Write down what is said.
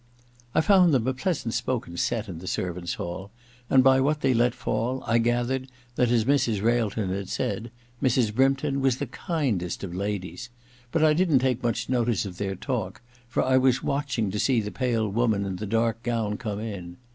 I found them a pleasant spoken set in the servants' hall, and by what they let fall I gathered that, as Mrs. Railton had said, Mrs. Brympton was the kindest of ladies ; but I didn't take much notice of their talk, for I was watching to see the pale woman in the dark gown come in.